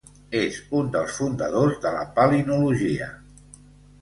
És un dels fundadors de la palinologia.